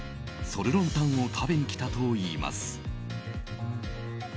ソルロンタンを食べに来たといいます。